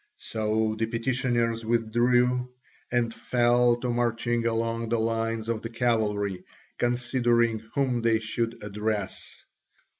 So the petitioners withdrew, and fell to marching along the lines of the cavalry, considering whom they should address.